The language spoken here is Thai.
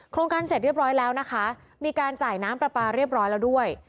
การเสร็จเรียบร้อยแล้วนะคะมีการจ่ายน้ำปลาปลาเรียบร้อยแล้วด้วย